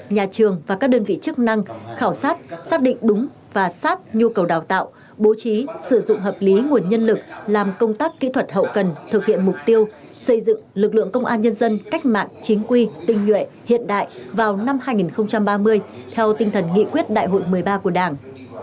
nhà trường và các đơn vị chức năng khảo sát xác định đúng và sát nhu cầu đào tạo bố trí sử dụng hợp lý nguồn nhân lực làm công tác kỹ thuật hậu cần thực hiện mục tiêu xây dựng lực lượng công an nhân dân cách mạng chính quy tinh nhuệ hiện đại vào năm hai nghìn ba mươi theo tinh thần nghị quyết đại hội một mươi ba của đảng